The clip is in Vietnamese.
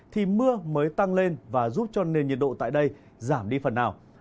thì mưa mới tăng lên và giúp cho nền nhiệt độ tại đây giảm đi phần nào